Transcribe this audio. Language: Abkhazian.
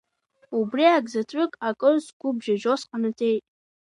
Убри акзаҵәык акыр сгәы бжьажьо сҟанаҵеит…